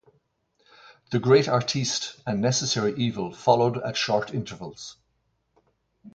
"The Great Artiste" and "Necessary Evil" followed at short intervals.